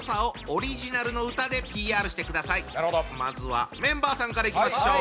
２組はそのまずはメンバーさんからいきましょう。